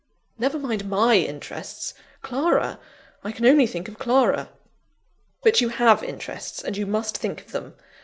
"Never mind my interests. Clara! I can only think of Clara!" "But you have interests, and you must think of them.